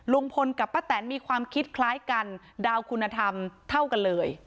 ลุงพลกับป้าแตนมีความคิดคล้ายกันดาวคุณธรรมเท่ากันเลย